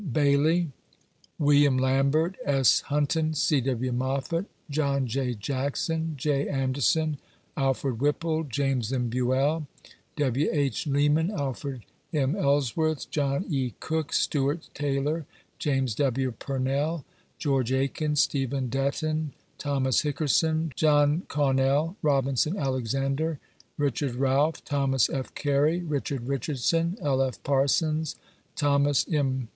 Bailey, William Lambert, S. Huston, C. W. Moffit, John J. Jackson, J. Anderson, Alfred Whipple, James if Buel, W. H. Leera&n, Alfred M. Ellsworth, John £1. Cook, Stewart Taylor, James W. Puxaell, George Aiken, Stephen Detain, Thomas Hickerson, Joiin Caunel, Robinson Alexander, Richard Realf, Thoma? F. Carr, Richard Richardson, L. F. Parsons, Thomas M.